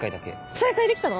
再会できたの？